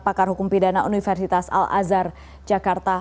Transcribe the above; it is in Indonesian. pakar hukum pidana universitas al azhar jakarta